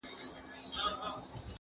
دا واښه له هغه پاکه ده،